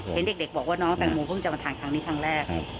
เห็นเด็กบอกว่าน้องแตงโมเพิ่งจะมาทานครั้งนี้ครั้งแรก